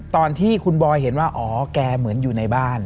ตอนที่คุณบอยเห็นว่าอ๋อแกเหมือนอยู่ในบ้าน